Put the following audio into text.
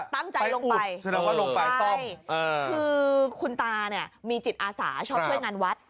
ตั้งใจลงไปใช่คือคุณตาเนี่ยมีจิตอาสาชอบช่วยงานวัด